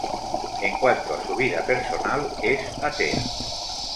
En cuanto a su vida personal, es atea.